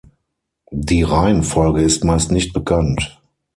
Die Reihenfolge ist meist nicht bekannt.